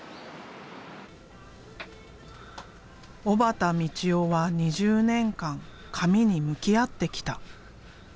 小幡海知生は２０年間紙に向き合ってきた。